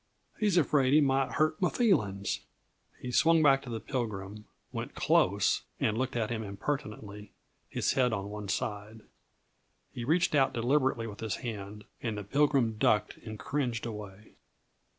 He's afraid he might hurt m' feelings!" He swung back to the Pilgrim, went close, and looked at him impertinently, his head on one side. He reached out deliberately with his hand, and the Pilgrim ducked and cringed away.